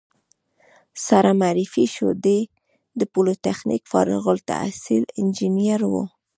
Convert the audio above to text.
سره معرفي شوو، دی د پولتخنیک فارغ التحصیل انجینر و.